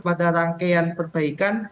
pada rangkaian perbaikan